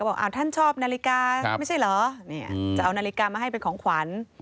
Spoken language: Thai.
ท่านชอบนาฬิกาไม่ใช่เหรอจะเอานาฬิกามาให้เป็นของขวัญ